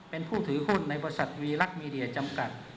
เป็นผู้ถือหุ้นในบริษัทวีลักษณ์มีเดียจำกัด